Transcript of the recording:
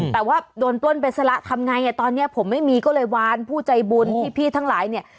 แต่ว่าโดนปล้นไปซะละทำไงตอนนี้ผมไม่มีก็เลยวานผู้ใจบุญพี่ทั้งหลายเนี่ย